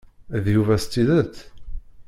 D Yuba s tidet?